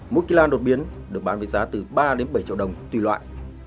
mỗi kỳ lan đột biến được bán với giá từ ba đến bảy triệu đồng tùy loại